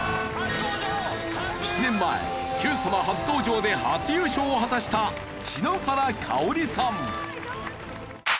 ７年前『Ｑさま！！』初登場で初優勝を果たした篠原かをりさん。